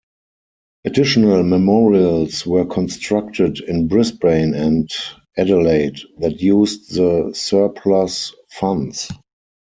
Additional memorials were constructed in Brisbane and Adelaide that used the surplus funds.